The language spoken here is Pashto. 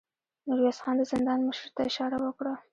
ميرويس خان د زندان مشر ته اشاره وکړه.